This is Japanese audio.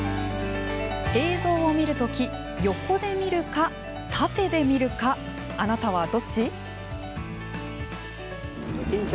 映像を見るとき横で見るか、縦で見るかあなたはどっち？